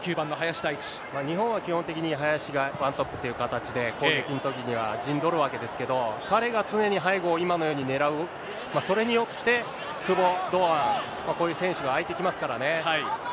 日本は基本的に、林がワントップという形で、攻撃のときには陣取るわけですけど、彼が常に背後を今のように狙う、それによって、久保、堂安、こういう選手が空いてきますからね。